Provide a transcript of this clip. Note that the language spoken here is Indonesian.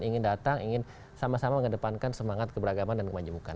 ingin datang ingin sama sama mengedepankan semangat keberagaman dan kemajemukan